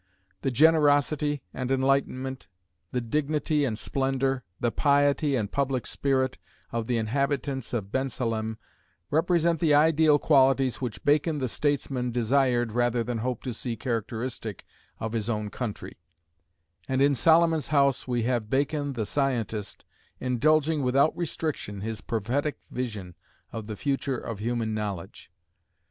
The generosity and enlightenment, the dignity and splendor, the piety and public spirit, of the inhabitants of Bensalem represent the ideal qualities which Bacon the statesman desired rather than hoped to see characteristic of his own country; and in Solomon's House we have Bacon the scientist indulging without restriction his prophetic vision of the future of human knowledge.